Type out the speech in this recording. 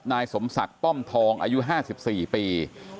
นายสมศักดิ์ป้อมทองอายุ๕๔ปี